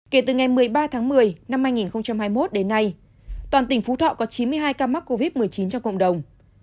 kể từ ngày một mươi ba tháng một mươi năm hai nghìn hai mươi một đến nay toàn tỉnh phú thọ có chín mươi hai ca mắc covid một mươi chín trong cộng đồng